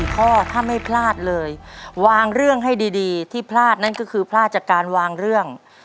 ข้อถ้าไม่พลาดเลยวางเรื่องให้ดีที่พลาดนั่นก็คือพลาดจากการวางเรื่อง